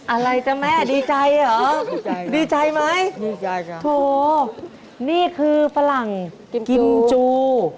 อะไรจ้ะแม่ดีใจเหรอดีใจไหมโธ่นี่คือฝรั่งกิมจู